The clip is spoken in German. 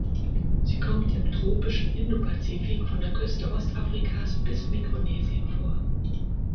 Sie kommt im tropischen Indopazifik von der Küste Ostafrikas bis Mikronesien vor.